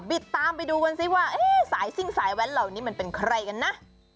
ติดตามไปดูกันสิว่าสายซิ่งสายแว้นเหล่านี้มันเป็นใครกันนะ